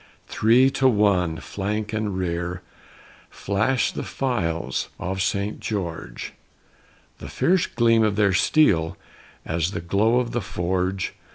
Three to one, flank and rear, flashed the files of St. George, The fierce gleam of their steel as the glow of a forge.